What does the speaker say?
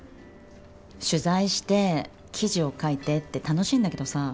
取材して記事を書いてって楽しいんだけどさ